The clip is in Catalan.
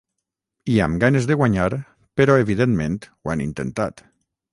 I amb ganes de guanyar, però evidentment ho han intentat.